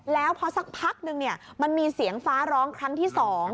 แล้วพอสักพักนึงมันมีเสียงฟ้าร้องครั้งที่๒